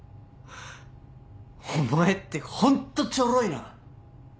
お前ってホントちょろいな。